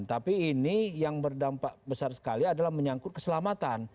tapi ini yang berdampak besar sekali adalah menyangkut keselamatan